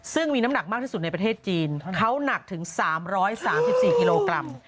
ซึ่งมีน้ำหนักมากที่สุดในประเทศจีนเขาหนักถึง๓๓๔กิโลกรัม